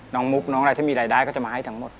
น้องมุบน้องอะไรถ้ามีอะไรได้ก็จะมาให้ทั้งหมด